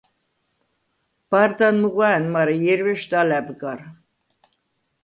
ბარდან მუღვა̄̈ნ, მარე ჲერვეშდ ალა̈ბ გარ.